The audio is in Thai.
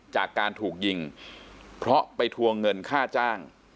จากการถูกยิงเพราะไปทวงเงินค่าจ้าง